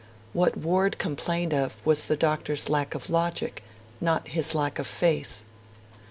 What Ward complained of was the Doctor's lack of logic, not his lack of faith.